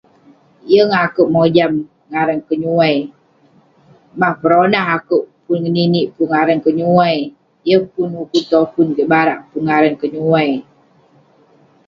Yeng akouk mojam ngaran kenyuai. Mah peronah akouk pun ngeninik ngaran kenyuai. Yeng pun ukun topun kek barak pun ngaran kenyuai.